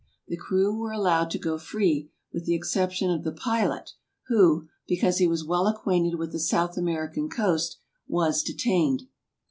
The crew were allowed to go free, with the exception of the pilot, who, because 42 THE EARLY EXPLORERS 43 he was well acquainted with the South American coast was detained.